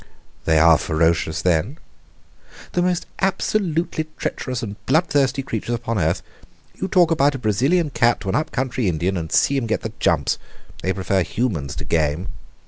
"They are ferocious, then?" "The most absolutely treacherous and bloodthirsty creatures upon earth. You talk about a Brazilian cat to an up country Indian, and see him get the jumps. They prefer humans to game.